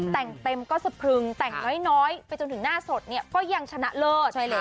แต่งเต็มก็สะพรึงแต่งน้อยไปจนถึงหน้าสดเนี่ยก็ยังชนะเลิศ